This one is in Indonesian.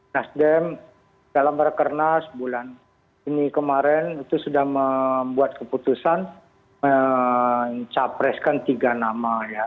nasdem dalam rakernas bulan ini kemarin itu sudah membuat keputusan mencapreskan tiga nama ya